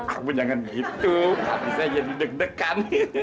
kamu jangan gitu habisnya yuk deg degan